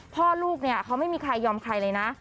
พ่อลูกเนี่ยเขาไม่มีใครยอมใครเลยนะ